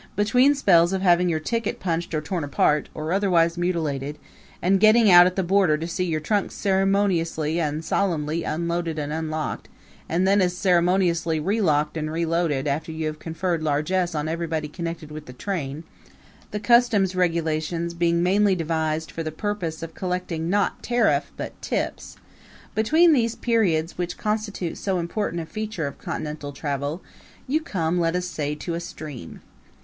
Between spells of having your ticket punched or torn apart, or otherwise mutilated; and getting out at the border to see your trunks ceremoniously and solemnly unloaded and unlocked, and then as ceremoniously relocked and reloaded after you have conferred largess on everybody connected with the train, the customs regulations being mainly devised for the purpose of collecting not tariff but tips between these periods, which constitute so important a feature of Continental travel you come, let us say, to a stream.